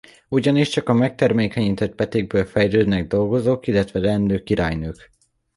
Ugyanis csak a megtermékenyített petékből fejlődnek dolgozók illetve leendő királynők.